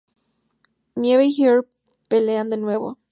Nieves y Heart pelean de nuevo.